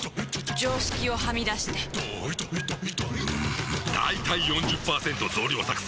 常識をはみ出してんだいたい ４０％ 増量作戦！